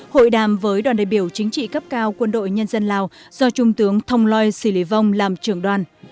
hội đàm với đoàn đại biểu chính trị cấp cao quân đội nhân dân lào do trung tướng thoai loi sĩ lị vông làm trưởng đoàn